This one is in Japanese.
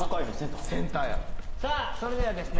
さあそれではですね